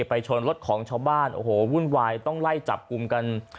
ชนรถของชาวบ้านโอ้โหวุ่นวายต้องไล่จับกลุ่มกัน